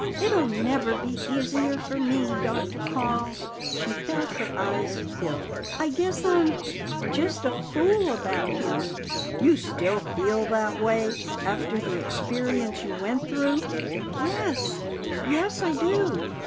"It'll never be easier for me, Dr. Carl." She felt her eyes fill. "I guess I'm just a fool about him." "You still feel that way, after the experience you went through?" "Yes. Yes, I do."